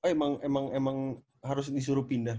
emang emang emang harus disuruh pindah